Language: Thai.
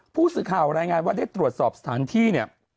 ผู้สื่อข่าวรายงานว่าได้ตรวจสอบสถานที่เนี่ย